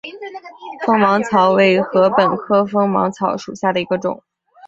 锋芒草为禾本科锋芒草属下的一个种。